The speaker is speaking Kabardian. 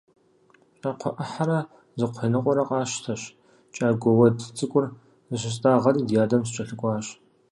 ЩӀакхъуэ Ӏыхьэрэ зы кхъуей ныкъуэрэ къасщтэщ, кӀагуэ уэд цӀыкӀур зыщыстӏагъэри ди адэм сыкӀэлъыкӀуащ.